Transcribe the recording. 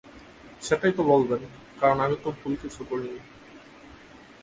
সেটাই তো বলবেন কারণ আমি তো ভুল কিছু করিনি!